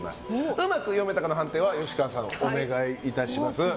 うまく読めたかの判定は吉川さん、お願いいたします。